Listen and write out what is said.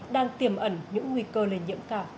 đang tiềm ẩn những nguy cơ lây nhiễm